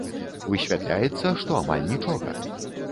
Высвятляецца, што амаль нічога.